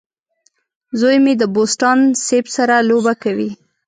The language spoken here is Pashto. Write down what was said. زوی مې د بوسټان سیب سره لوبه کوي.